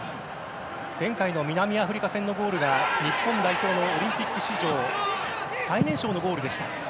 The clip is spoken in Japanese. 前回の南アフリカ戦のゴールが日本代表のオリンピック史上最年少のゴールでした。